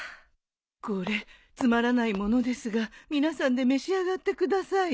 これつまらない物ですが皆さんで召し上がってください。